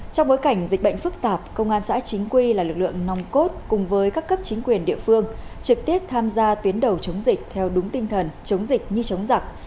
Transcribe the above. trong bối cảnh dịch bệnh phức tạp công an xã chính quy là lực lượng nòng cốt cùng với các cấp chính quyền địa phương trực tiếp tham gia tuyến đầu chống dịch theo đúng tinh thần chống dịch như chống giặc